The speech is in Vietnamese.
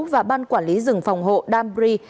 và ban quản lý rừng phòng hộ danbri